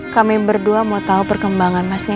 kami berdua mau tahu perkembangan masnya